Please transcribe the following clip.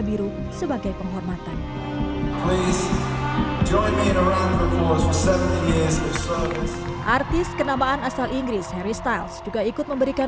biru sebagai penghormatan artis kenamaan asal inggris harry styles juga ikut memberikan